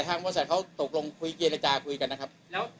อย่างยากครับพี่ได้รับมอบกำหน้าครับ